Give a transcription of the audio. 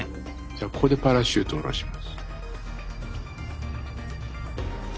ここでパラシュートをおろします。